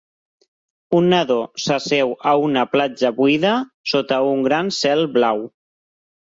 Un nadó s'asseu a una platja buida sota un gran cel blau.